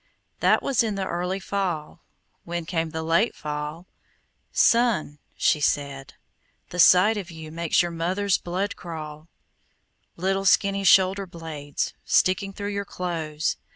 That was in the early fall. When came the late fall, "Son," she said, "the sight of you Makes your mother's blood crawl,– "Little skinny shoulder blades Sticking through your clothes!